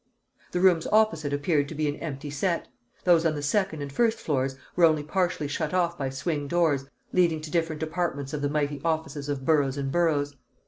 The rooms opposite appeared to be an empty set; those on the second and first floors were only partially shut off by swing doors leading to different departments of the mighty offices of Burroughs and Burroughs.